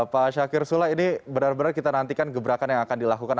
pak syakir sula ini benar benar kita nantikan gebrakan yang akan dilakukan